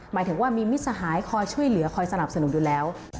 หมายถึงว่ามีมิตรสหายคอยช่วยเหลือคอยสนับสนุนอยู่แล้ว